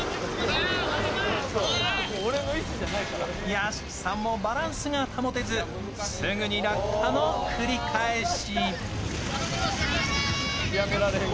屋敷さんもバランスが保てずすぐに落下の繰り返し。